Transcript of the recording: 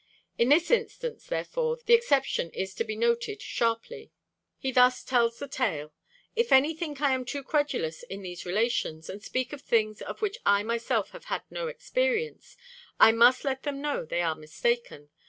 In this instance, therefore, the exception is to be noted sharply. He thus tells the tale: 'If any think I am too credulous in these relations, and speak of things of which I myself have had no experience, I must let them know they are mistaken.